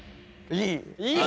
いい。